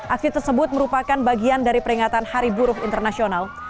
aksi tersebut merupakan bagian dari peringatan hari buruh internasional